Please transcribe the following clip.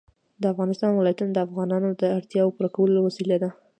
د افغانستان ولايتونه د افغانانو د اړتیاوو د پوره کولو وسیله ده.